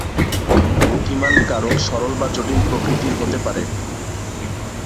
বুদ্ধিমান কারক সরল বা জটিল প্রকৃতির হতে পারে।